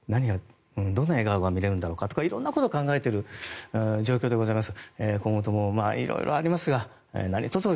どんな笑顔が見れるんだろうかとか色んなことを考えている状況でございます。